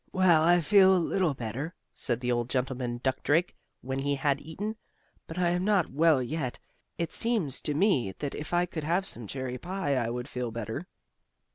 "Well, I feel a little better," said the old gentleman duck drake, when he had eaten, "but I am not well yet. It seems to me that if I could have some cherry pie I would feel better."